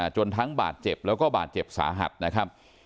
จนทั้งบาดเจ็บแล้วก็บาดเจ็บสาหัสนะครับ